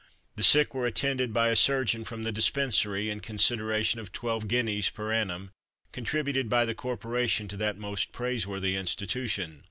The sick were attended by a surgeon from the Dispensary, in consideration of 12 guineas per annum, contributed by the corporation to that most praiseworthy institution.